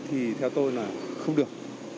thì theo tôi là không được